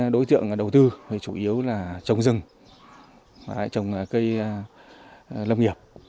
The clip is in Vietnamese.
đối tượng đầu tư chủ yếu là trồng rừng trồng cây lâm nghiệp